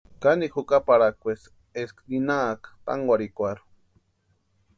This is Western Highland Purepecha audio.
Kanikwa jukaparhakwaesti eska ninhaaka tánkwarhikwarhu.